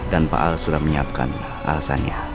dan pak al sudah menyiapkan alasannya